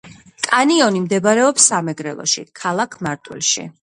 კანიონი მდებარეობს სამეგრელოში ქალაქ მარტვილში